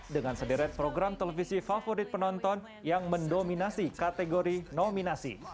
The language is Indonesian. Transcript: dengan sederet program televisi favorit penonton yang mendominasi kategori nominasi